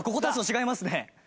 違います。